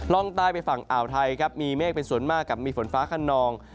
ร่องใต้ไปฝั่งอ่าวไทยครับมีเมฆเป็นส่วนมากกับมีฝนฟ้าขนอง